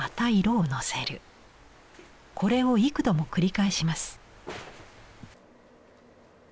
これを幾度も繰り返します。